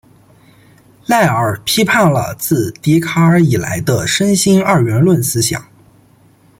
赖尔批判了自笛卡尔以来的身心二元论思想。